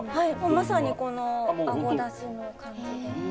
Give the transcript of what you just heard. まさにこのあごだしの感じで。